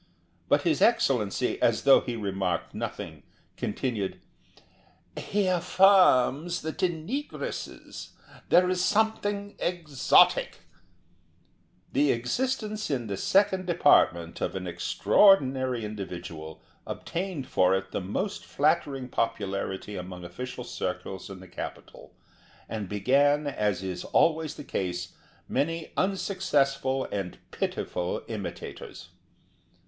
But his Excellency, as though he remarked nothing, continued: "He affirms that in negresses there is something exotic The existence in the Second Department of an extraordinary original obtained for it the most flattering popularity among official circles in the Capital, and begat, as is always the case, many unsuccessful and pitiful imitators.